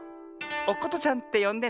おことちゃんってよんでね。